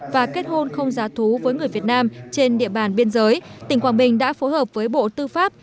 và kết hôn không giá thú với người việt nam trên địa bàn biên giới tỉnh quảng bình đã phối hợp với bộ tư pháp